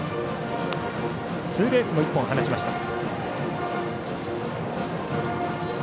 ツーベースも１本放ちました。